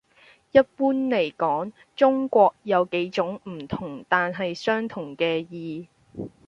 一般嚟講，「中國」有幾種唔同但係相關嘅意